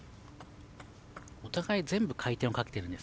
お互い全部、回転をかけているんです。